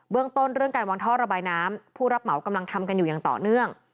เรื่องต้นเรื่องการวางท่อระบายน้ำผู้รับเหมากำลังทำกันอยู่อย่างต่อเนื่อง